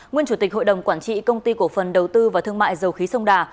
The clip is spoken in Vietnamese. nguyên chủ tịch hội đồng quản trị công ty cổ phần đầu tư và thương mại dầu khí sông đà